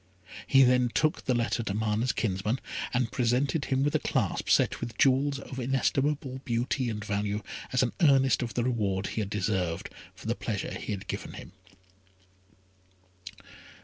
He then took the letter to Mana's kinsman, and presented him with a clasp set with jewels of inestimable beauty and value, as an earnest of the reward he had deserved, for the pleasure he had given him.